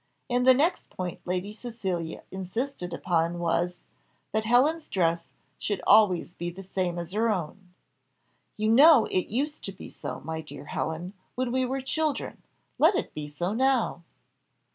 And the next point Lady Cecilia insisted upon was, that Helen's dress should always be the same as her own. "You know it used to be so, my dear Helen, when we were children; let it be so now."